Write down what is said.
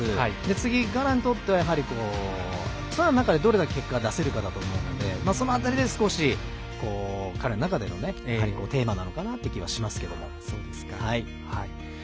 次、ガランにとってはツアーの中で、どれだけ結果が出せるかと思うのでその辺りで少し彼の中でのテーマなのかなという気はしますけど。